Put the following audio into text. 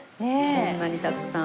こんなにたくさん。